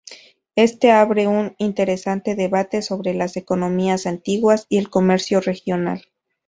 Esto abre un interesante debate sobre las economías antiguas y el comercio regional.